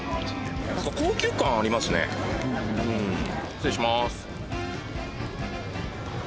失礼します。